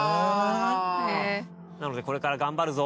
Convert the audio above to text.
なのでこれから頑張るぞ！